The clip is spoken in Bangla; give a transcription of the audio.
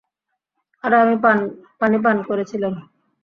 আরে আমি পানি পান করছিলাম।